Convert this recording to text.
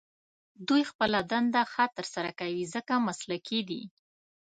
دوی خپله دنده ښه تر سره کوي، ځکه مسلکي دي.